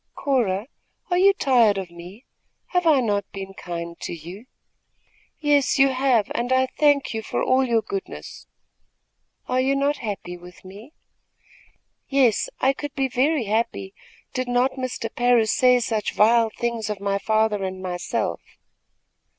"Cora, are you tired of me? Have I not been kind to you?" "Yes, you have, and I thank you for all your goodness." "Are you not happy with me?" "Yes, I could be very happy, did not Mr. Parris say such vile things of my father and myself.